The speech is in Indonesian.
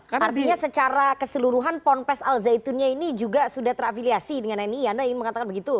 artinya secara keseluruhan ponpes al zaitunnya ini juga sudah terafiliasi dengan nii anda ingin mengatakan begitu